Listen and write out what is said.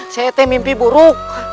tete mimpi buruk